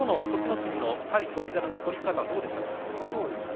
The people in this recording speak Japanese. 心の対翔猿の取り方はどうでしたか？